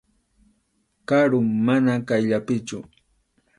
Karum, mana qayllapichu.